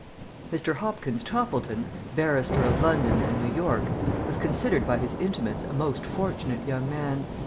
MR. HOPKINS TOPPLETON, Barrister of London and New York, was considered by his intimates a most fortunate young man.